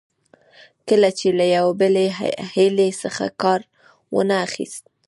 که دې له یوې بلې حیلې څخه کار وانه خیست.